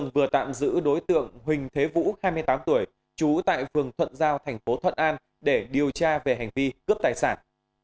vũ hai mươi tám tuổi trú tại phường thuận giao thành phố thuận an để điều tra về hành vi cướp tài sản